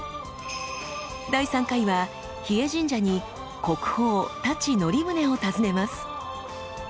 第３回は日枝神社に国宝太刀則宗を訪ねます。